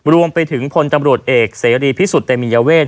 รวมไปถึงพลตำรวจเอกเสรีพิสุทธิ์เตมียเวท